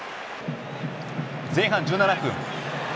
前半１７分。